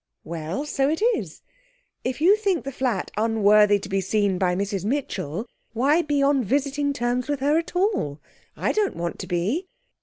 'Well, so it is. If you think the flat unworthy to be seen by Mrs Mitchell, why be on visiting terms with her at all? I don't want to be.'